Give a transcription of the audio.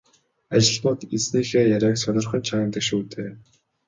Ажилтнууд эзнийхээ яриаг сонирхон чагнадаг шүү дээ.